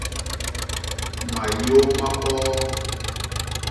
Mayô ma poo.